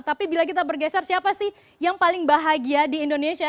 tapi bila kita bergeser siapa sih yang paling bahagia di indonesia